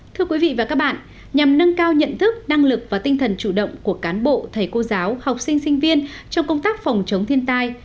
thưa quý vị và các bạn nhằm nâng cao nhận thức năng lực và tinh thần chủ động của cán bộ thầy cô giáo học sinh sinh viên trong công tác phòng chống thiên tai